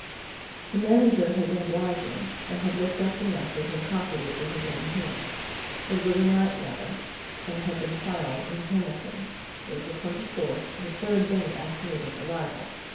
The manager had been obliging, had looked up the message and copied it with his own hand. It was a night letter, and had been filed in Hamilton April 24 the third day after Nita's arrival.